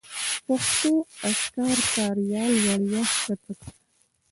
پښتو اذکار کاریال وړیا کښته کړئ.